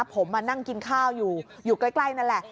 ผมมานั่งกินข้าวอยู่อยู่ใกล้นั่นแหละ